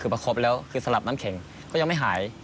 คือประคบแล้วคือสลับน้ำแข็งก็ยังไม่หาย